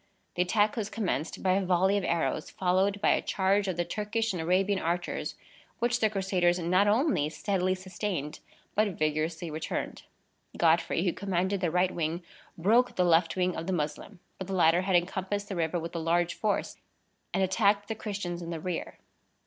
The attack was commenced by a volley of arrows, followed by a charge of the Turkish and Arabian archers, which the Crusaders not only steadily sustained, but vigorously returned. Godfrey, who commanded their right wing, broke the left wing of the Moslem; but the latter had encompassed the river with a large force, and attacked the Christians in the rear.